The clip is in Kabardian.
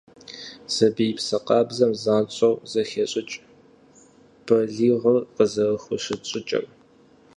Сабиипсэ къабзэм занщӀэу зэхещӀыкӀ балигъыр къызэрыхущыт щӀыкӀэр.